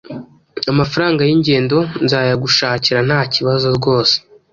amafaranga y’ingendo nzayagushakira ntakibazo rwose.